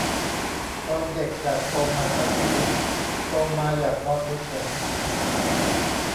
ตอนเด็กอยากโตมาใช้ชีวิต โตมาอยากนอนเฉยเฉย